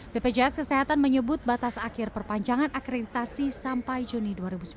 bpjs kesehatan menyebut batas akhir perpanjangan akreditasi sampai juni dua ribu sembilan belas